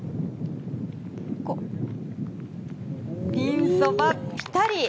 ピンそばぴたり！